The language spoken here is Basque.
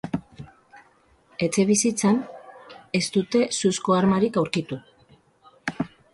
Etxebizitzan, ez dute suzko armarik aurkitu.